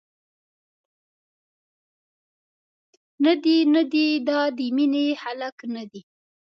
ندي، ندي دا د مینې خلک ندي.